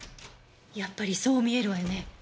やっぱりそう見えるわよね。